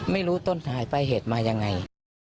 ไม่รู้ต้นหายไปเหตุมายังไง